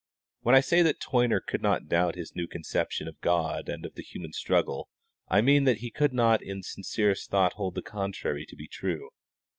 When I say that Toyner could not doubt his new conception of God and of the human struggle, I mean that he could not in sincerest thought hold the contrary to be true.